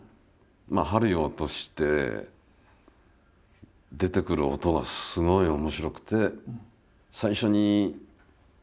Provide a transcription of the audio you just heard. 針を落として出てくる音がすごい面白くて。